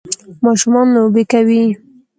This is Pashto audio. ماشومان لوبی کوی.